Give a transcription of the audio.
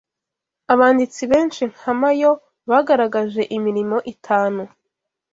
Abanditsi benshi nka Mayo bagaragaje imirimo itanu